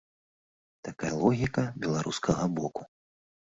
Такая логіка беларускага боку.